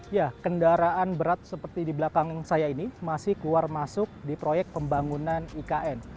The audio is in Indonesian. ya kendaraan berat seperti di belakang saya ini masih keluar masuk di proyek pembangunan ikn